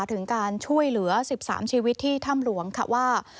ถึงการช่วยเหลือ๑๓ชีวิตที่ถ้ำหลวงค่ะว่า